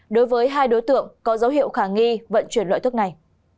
đối với hai đối tượng có dấu hiệu khả nghi vận chuyển loại thuốc này